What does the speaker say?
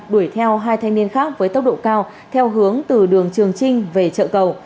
đuổi theo hai thanh niên khác với tốc độ cao theo hướng từ đường trường trinh về chợ cầu